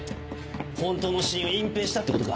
本当の死因を隠蔽したってことか。